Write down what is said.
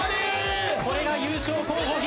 これが優勝候補筆頭。